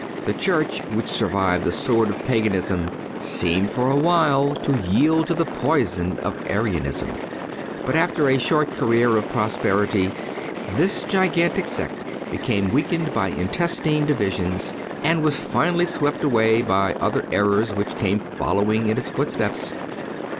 The Church which survived the sword of Paganism seemed for awhile to yield to the poison of Arianism. But after a short career of prosperity this gigantic sect became weakened by intestine divisions, and was finally swept away by other errors which came following in its footsteps.